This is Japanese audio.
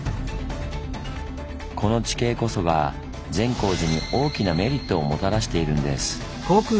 この地形こそが善光寺に大きなメリットをもたらしているんです。